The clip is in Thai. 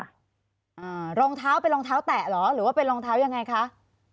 อ่ารองเท้าเป็นรองเท้าแตะเหรอหรือว่าเป็นรองเท้ายังไงคะ